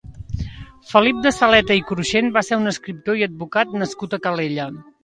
Felip de Saleta i Cruxent va ser un escriptor i advocat nascut a Calella.